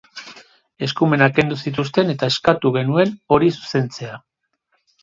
Eskumenak kendu zituzten, eta eskatu genuen hori zuzentzea.